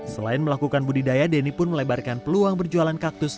selain melakukan budidaya deni pun melebarkan peluang berjualan kaktus